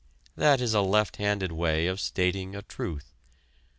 That is a left handed way of stating a truth.